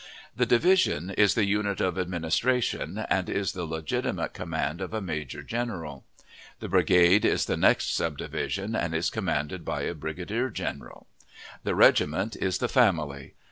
The division is the unit of administration, and is the legitimate command of a major general. The brigade is the next subdivision, and is commanded by a brigadier general. The regiment is the family.